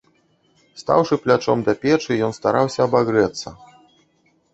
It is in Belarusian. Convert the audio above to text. Стаўшы плячом да печы, ён стараўся абагрэцца.